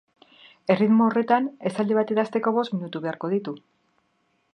Erritmo horretan esaldi bat idazteko bost minutu beharko ditu.